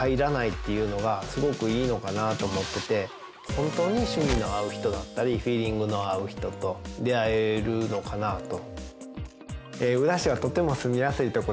本当に趣味の合う人だったりフィーリングの合う人と出会えるのかなと。